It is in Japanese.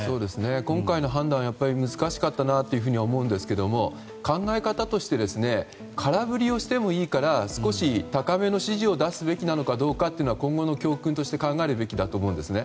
今回の判断は難しかったなと思うんですが考え方として空振りをしてもいいから少し高めの指示を出すべきなのかどうかというのを今後の教訓として考えるべきだと思うんですね。